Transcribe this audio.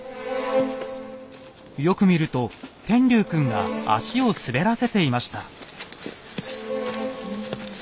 よく見ると天龍くんが足を滑らせていました。